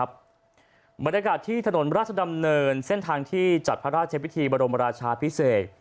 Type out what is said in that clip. บรรยากาศที่ถนนราชดำเนินเส้นทางที่จัดพระราชพิธีบรมราชาพิเศษ